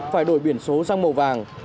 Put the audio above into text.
phải đổi biển số sang màu vàng